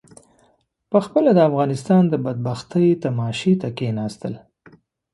پخپله د افغانستان د بدبختۍ تماشې ته کېنستل.